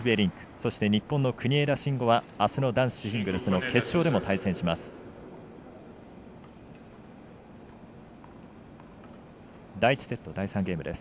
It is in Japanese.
そして日本の国枝慎吾はあすの男子シングルスの決勝でも対戦します。